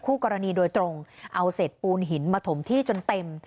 กรณีโดยตรงเอาเศษปูนหินมาถมที่จนเต็ม